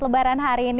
lebaran hari ini